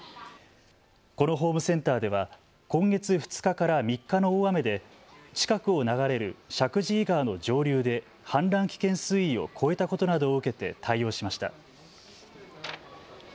このホームセンターでは今月２日から３日の大雨で近くを流れる石神井川の上流で氾濫危険水位を超えたことなどを受けて対応しました。